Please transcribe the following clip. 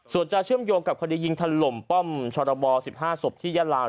ส่วนจะเชื่อมโยงกับคดียิงถล่มป้อมชรบ๑๕ศพที่ยาลา